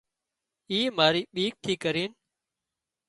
اي ماري ٻيڪ ٿي ڪرينَ